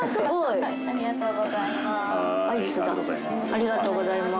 ありがとうございます。